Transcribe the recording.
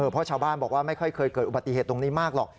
เพราะชาวบ้านบอกว่าไม่ค่อยเคยเกิดอุบัติเหตุตรงนี้มากหรอก